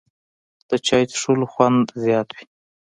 د چای څښلو خوند زیات وي